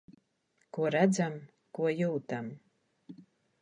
Ko redzam, ko jūtam.